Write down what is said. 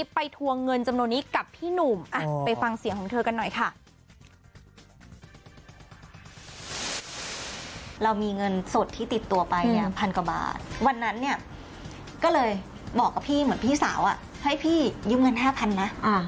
ไปฟังเสียงของเธอกันหน่อยค่ะ